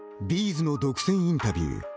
’ｚの独占インタビュー。